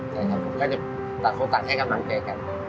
แต่ผมก็จะต่างให้กำลังแกกัน